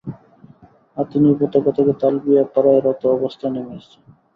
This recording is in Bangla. আর তিনি উপত্যকা থেকে তালবীয়া পড়ায় রত অবস্থায় নেমে আসছেন।